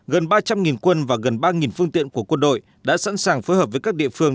gần ba trăm linh quân và gần ba phương tiện của quân đội đã sẵn sàng phối hợp với các địa phương